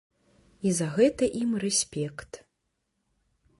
І за гэта ім рэспект.